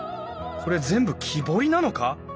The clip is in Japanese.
これ全部木彫りなのか！？